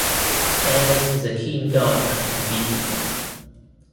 Ayres is a keen gardener and beekeeper.